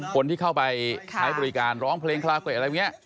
คนที่เข้าไปใช้บริการร้องเพลงคลาเกรดอะไรอย่างนี้